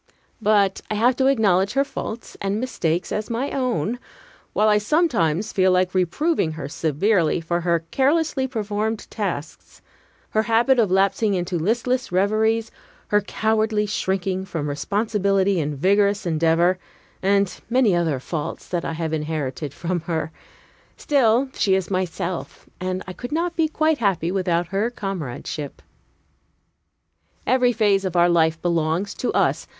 But I have to acknowledge her faults and mistakes as my own, while I sometimes feel like reproving her severely for her carelessly performed tasks, her habit of lapsing into listless reveries, her cowardly shrinking from responsibility and vigorous endeavor, and many other faults that I have inherited from her. Still, she is myself, and I could not be quite happy without her comradeship. Every phase of our life belongs to us.